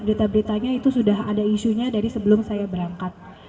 berita beritanya itu sudah ada isunya dari sebelum saya berangkat